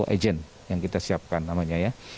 dua ratus enam puluh agent yang kita siapkan namanya ya